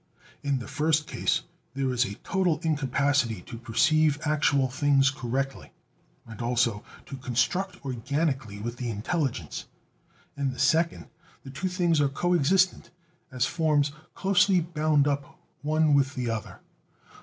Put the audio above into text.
In the first case there is a total incapacity to perceive actual things correctly, and also to construct organically with the intelligence; in the second, the two things are co existent as forms closely bound up one with the other.